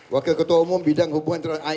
wakil ketua umum bidang hubungan internasional